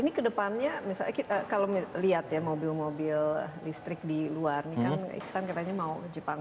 ini ke depannya kalau kita lihat mobil mobil listrik di luar iksan katanya mau ke jepang